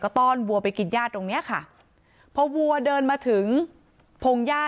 ต้อนวัวไปกินย่าตรงเนี้ยค่ะพอวัวเดินมาถึงพงหญ้า